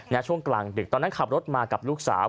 ช่วงกลางดึกตอนนั้นขับรถมากับลูกสาว